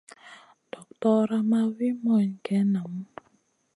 Doktora ma wi moyne geyn namu.